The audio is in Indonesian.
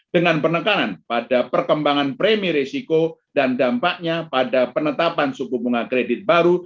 dengan penekanan pada perkembangan premi risiko dan dampaknya pada penetapan suku bunga kredit baru